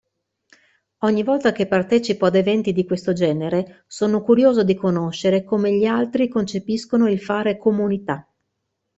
Ogni volta che partecipo ad eventi di questo genere sono curioso di conoscere come gli altri concepiscono il fare Comunità.